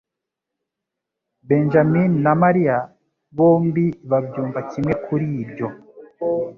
Benjamin na Mariya bombi babyumva kimwe kuri ibyo.